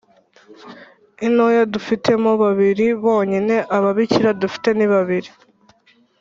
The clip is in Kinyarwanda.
intoya dufitemo babiri bonyine ababikira dufite nibabiri